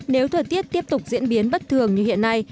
nếu thời tiết tiếp tục diễn biến bất thường như hiện nay